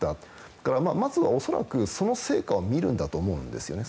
だからまずは恐らくその成果を見るんだと思うんですよね。